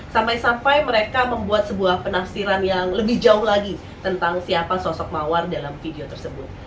sampai sampai mereka membuat sebuah penafsiran yang lebih jauh lagi tentang siapa sosok mawar dalam video tersebut